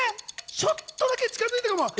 ちょっとだけ近づいたかも。